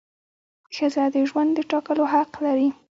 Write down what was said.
ښځه د ژوند د ټاکلو حق لري.